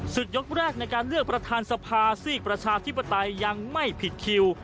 ยกแรกในการเลือกประธานสภาซีกประชาธิปไตยยังไม่ผิดคิว